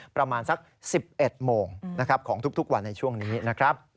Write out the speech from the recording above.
ประมาณสัก๑๑โมงนะครับของทุกวันในช่วงนี้นะครับ